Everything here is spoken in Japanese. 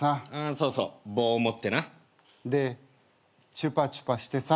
そうそう棒を持ってな。でチュパチュパしてさ。